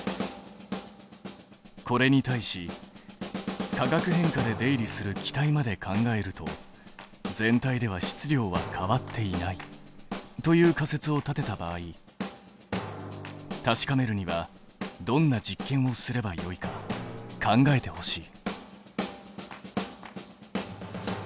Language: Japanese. これに対し化学変化で出入りする気体まで考えると「全体では質量は変わっていない」という仮説を立てた場合確かめるにはどんな実験をすればよいか考えてほしい。